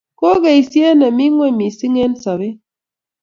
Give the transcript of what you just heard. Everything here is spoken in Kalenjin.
ko keisyet nemi ingweny missing eng sobet